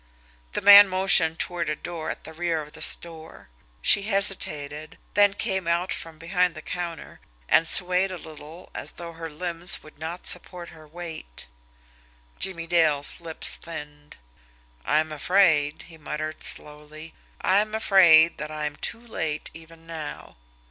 The man motioned toward a door at the rear of the store. She hesitated, then came out from behind the counter, and swayed a little as though her limbs would not support her weight. Jimmie Dale's lips thinned. "I'm afraid," he muttered slowly, "I'm afraid that I'm too late even now."